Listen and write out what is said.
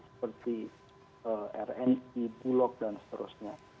seperti rni bulog dan seterusnya